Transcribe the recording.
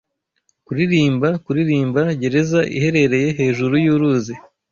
Kuririmba Kuririmba Gereza iherereye hejuru yuruzi